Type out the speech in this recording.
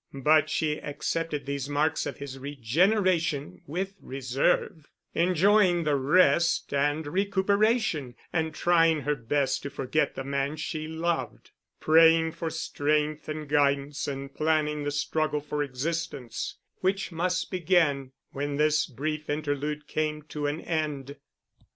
But she accepted these marks of his regeneration with reserve, enjoying the rest and recuperation and trying her best to forget the man she loved, praying for strength and guidance and planning the struggle for existence which must begin when this brief interlude came to an end.